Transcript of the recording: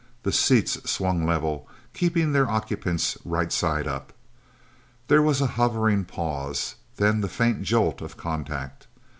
The seats swung level, keeping their occupants right side up. There was a hovering pause, then the faint jolt of contact.